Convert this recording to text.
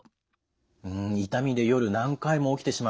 痛みで夜何回も起きてしまう。